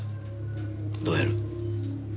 どうやる？